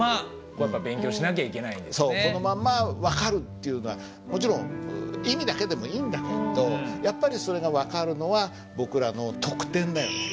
そうこのまんま分かるっていうのはもちろん意味だけでもいいんだけれどやっぱりそれが分かるのは僕らの特典だよね。